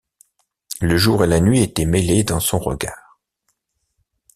Le jour et la nuit étaient mêlés dans son regard.